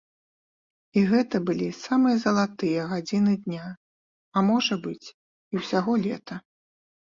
І гэта былі самыя залатыя гадзіны дня, а можа быць, і ўсяго лета.